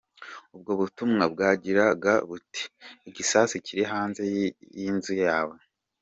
Ubwo butumwa bwagiraga buti, “igisasu kiri hanze y’inzu yawe.